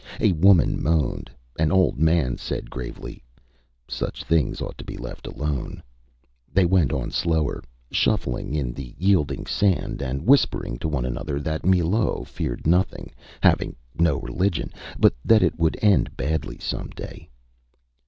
A woman moaned. An old man said gravely: ÂSuch things ought to be left alone.Â They went on slower, shuffling in the yielding sand and whispering to one another that Millot feared nothing, having no religion, but that it would end badly some day.